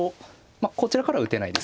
こちらからは打てないです。